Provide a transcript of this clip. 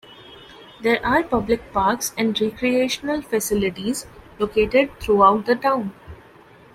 There are public parks and recreational facilities located throughout the town.